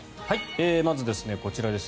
まず、こちらです。